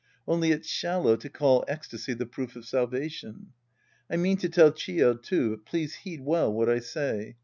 Only it's shallow to call ecstasy the proof of salvation. I mean to tell Chi5, too, but please heed well what I say.